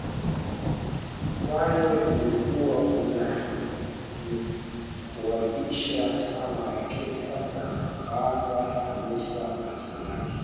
Mwani ulikuwa unanifaidisha sana lakini sasa nakaanga sambusa na samaki